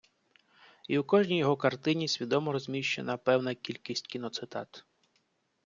І у кожній його картині свідомо розміщена певна кількість кіноцитат.